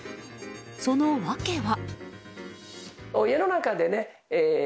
その訳は。